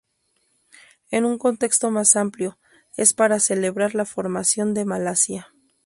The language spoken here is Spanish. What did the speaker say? En un contexto más amplio, es para celebrar la formación de Malasia.